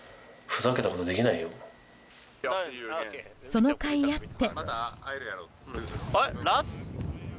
そのかいあって。